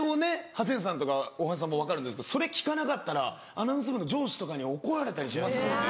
ハセンさんとか大橋さんも分かるんですけどそれ聞かなかったらアナウンス部の上司とかに怒られたりしますもんね。